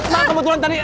mak kebetulan tadi